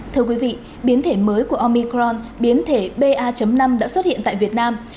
thưa quý vị biến thể mới của omicron biến thể ba năm đã xuất hiện tại việt nam